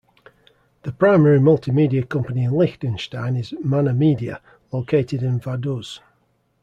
The primary multimedia company in Liechtenstein is ManaMedia, located in Vaduz.